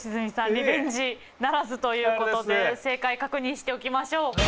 リベンジならずということで正解確認しておきましょう。